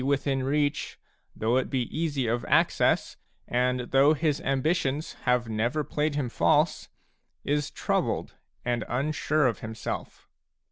within reach, though it be easy of access, and though his ambitions have never played him false, is troubled and unsure of himself.